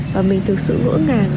và mình thực sự ngỡ ngàng